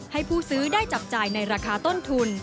ให้ผู้ซื้อได้จับจ่ายในราคาต้นทุน